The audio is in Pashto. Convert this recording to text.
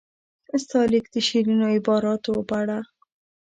ستا لیک د شیرینو عباراتو په اړه.